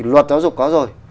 luật giáo dục có rồi